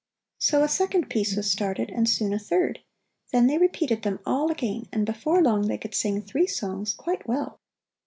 So a second piece was started and soon a third. Then they repeated them all again and before long they could sing three songs quite well.